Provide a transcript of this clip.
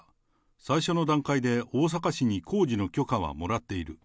最初の段階で大阪市に工事の許可はもらっている。